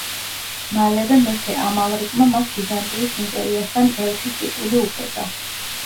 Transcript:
მალევე მეფე ამალრიკმა მას ბიზანტიის იმპერიასთან ელჩის ტიტული უბოძა.